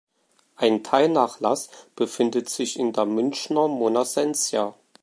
Ein Teilnachlass befindet sich in der Münchner Monacensia.